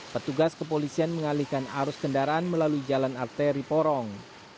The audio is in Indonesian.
petugas kepolisian mengalihkan arus kendaraan melalui jalan arteri porong